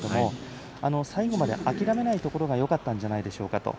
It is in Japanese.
最後まで諦めないところがよかったんじゃないでしょうか。